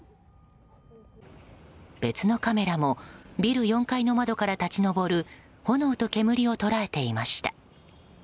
別のカメラもビル４階の窓から立ち上る炎と煙を捉えていました。